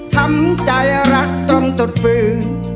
ทำใจรักต้องตรวจฟื้น